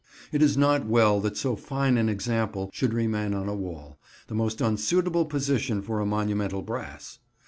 It is not well that so fine an example should remain on a wall; the most unsuitable position for a monumental brass.